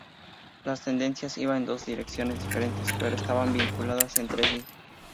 Las tendencias iban en dos direcciones diferentes, pero estaban vinculadas entre sí.